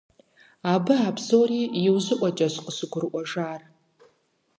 Абы а псори нэхъ иужьыӀуэкӀэщ къыщыгурыӀуэжар.